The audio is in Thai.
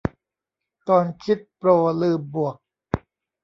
ตอนคิดโปรลืมบวก